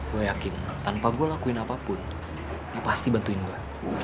gue yakin tanpa gue lakuin apapun ya pasti bantuin gue